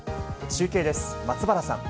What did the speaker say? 中継です、松原さん。